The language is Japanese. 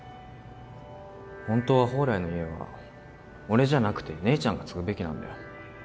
本当は宝来の家は俺じゃなくて姉ちゃんが継ぐべきなんだよ